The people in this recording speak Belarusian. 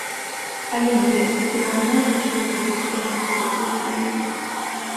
Але дзе, хіба можна што-небудзь помніць у такія хвіліны?